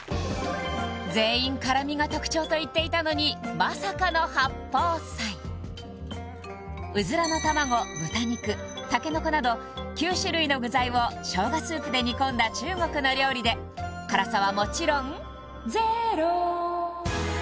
全員辛味が特徴と言っていたのにまさかの八宝菜うずらの卵豚肉たけのこなど９種類の具材を生姜スープで煮込んだ中国の料理で辛さはもちろん「ｚｅｒｏ」